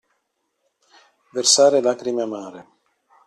Versare lacrime amare.